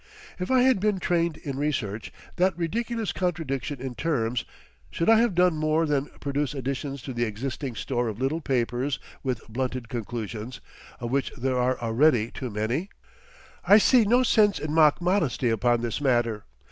If I had been trained in research—that ridiculous contradiction in terms—should I have done more than produce additions to the existing store of little papers with blunted conclusions, of which there are already too many? I see no sense in mock modesty upon this matter.